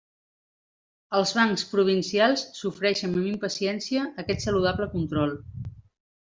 Els bancs provincials sofreixen amb impaciència aquest saludable control.